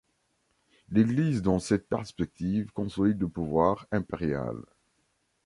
L'Église dans cette perspective consolide le pouvoir impérial.